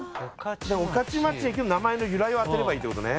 おかちまち駅の名前の由来を当てればいいってことね。